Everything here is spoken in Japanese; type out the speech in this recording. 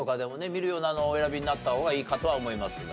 見るようなのをお選びになった方がいいかとは思いますが。